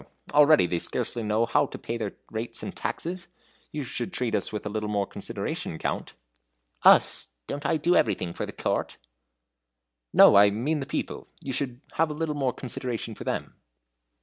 Already they scarcely know how to pay their rates and taxes. You should treat us with a little more consideration, Count." "Us! don't I do everything for the Court?" "No! I mean the people. You should have a little more consideration for them."